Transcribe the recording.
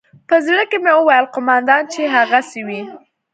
په زړه کښې مې وويل قومندان چې يې هغسې وي.